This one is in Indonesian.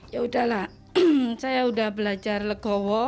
ya udahlah saya udah belajar legowo